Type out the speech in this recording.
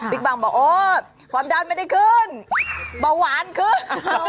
บังบอกโอ้ความดันไม่ได้ขึ้นเบาหวานขึ้น